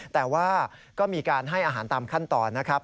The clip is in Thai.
แต่ว่าก็มีการให้อาหารตามขั้นตอนนะครับ